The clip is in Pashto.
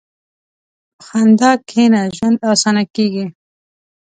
په خندا کښېنه، ژوند اسانه کېږي.